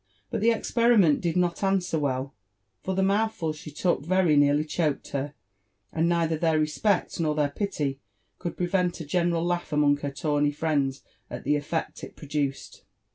But the experiment did not answer well, for the mootb ful she took very nearly choked Iter ; and neith^ their respeet nor their pity could prevent a general laugh among bar tawny friends at the effect it produced.